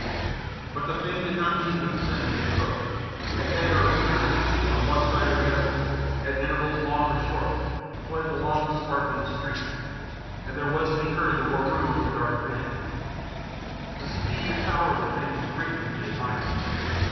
But the thing did not then leave the vicinity of the boat. Ahead or astern, on one side or the other, at intervals long or short, fled the long sparkling streak, and there was to be heard the whirroo of the dark fin. The speed and power of the thing was greatly to be admired.